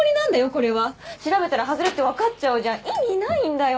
これは調べたらハズレってわかっちゃうじゃん意味ないんだよ